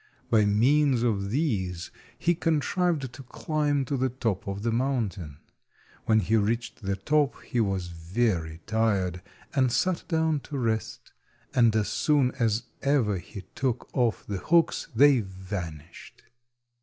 By means of these he contrived to climb to the top of the mountain. When he reached the top he was very tired, and sat down to rest, and as soon as ever he took off the hooks they vanished.